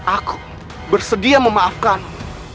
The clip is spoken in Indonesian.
aku bersedia memaafkanmu